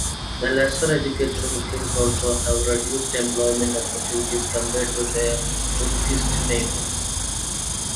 The lesser educated Muslims also have reduced employment opportunities compared to their Buddhist neighbours.